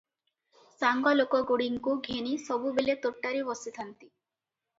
ସାଙ୍ଗ ଲୋକଗୁଡ଼ିଙ୍କୁ ଘେନି ସବୁବେଳେ ତୋଟାରେ ବସିଥାନ୍ତି ।